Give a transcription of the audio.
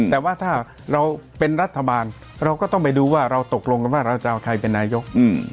แต่ว่าถ้าเราเป็นรัฐบาลเราก็ต้องไปดูว่าเราตกลงกันว่าเราจะเอาใครเป็นนายก